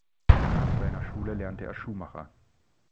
Nach seiner Schule lernte er Schuhmacher.